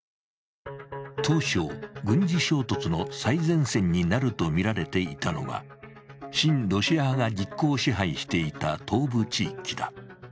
当初、軍事衝突の最前線になるとみられていたのは親ロシア派が実効支配していた東部地域だ。